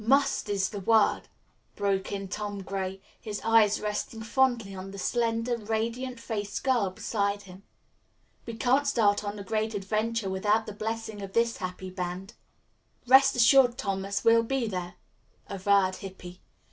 "'Must' is the word," broke in Tom Gray, his eyes resting fondly on the slender, radiant faced girl beside him. "We can't start on the great adventure without the blessing of this happy band." "Rest assured, Thomas, we'll be there," averred Hippy.